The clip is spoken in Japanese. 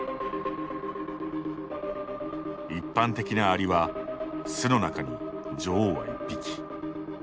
一般的なアリは巣の中に女王は１匹。